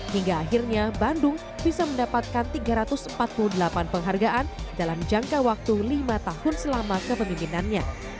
hingga akhirnya bandung bisa mendapatkan tiga ratus empat puluh delapan penghargaan dalam jangka waktu lima tahun selama kepemimpinannya